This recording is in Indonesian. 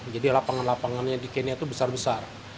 jadi lapangan lapangannya di kenya itu besar besar